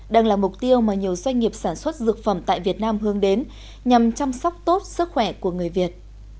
đang là mục tiêu mà nhiều doanh nghiệp sản xuất dược phẩm tại việt nam hướng đến nhằm chăm sóc tốt sức khỏe của người việt